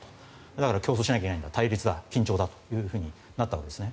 だから競争しなきゃいけないんだ対立だ、緊張だとなったわけですね。